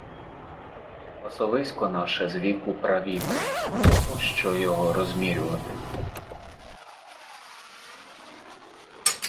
Пасовисько наше з віку-правіку, пощо його розмірювати?